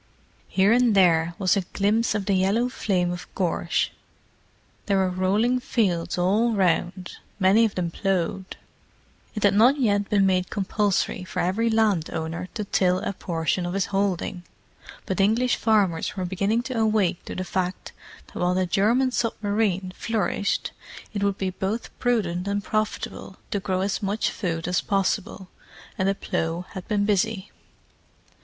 Here and there was a glimpse of the yellow flame of gorse. There were rolling fields all round, many of them ploughed: it had not yet been made compulsory for every landowner to till a portion of his holding, but English farmers were beginning to awake to the fact that while the German submarine flourished it would be both prudent and profitable to grow as much food as possible, and the plough had been busy.